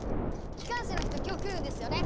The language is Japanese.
機関士の人今日来るんですよね？